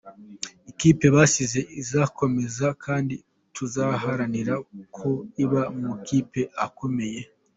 Ikipe basize izakomeza kandi tuzaharanira ko iba mu makipe akomeye.